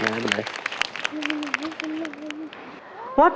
ถูกถูกถูกถูก